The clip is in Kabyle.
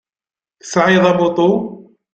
Tesɛiḍ amuṭu?